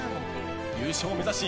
優勝目指し